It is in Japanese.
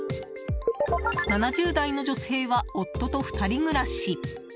７０代の女性は夫と２人暮らし。